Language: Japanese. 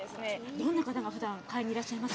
どんな方がふだん、買いにいらっしゃいますか。